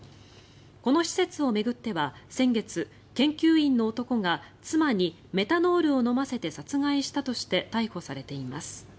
この施設を巡っては先月研究員の男が妻にメタノールを飲ませて殺害したとして逮捕されています。